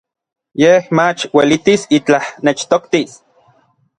Yej mach uelitis itlaj nechtoktis.